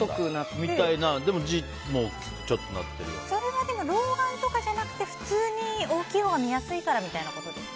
それは老眼とかじゃなくて普通に大きいほうが見やすいからみたいなことですか？